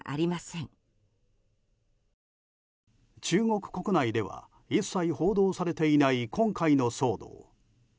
中国国内では一切報道されていない今回の騒動。